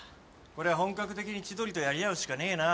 こりゃ本格的に千鳥とやり合うしかねえな。